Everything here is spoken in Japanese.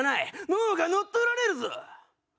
脳が乗っ取られるぞ！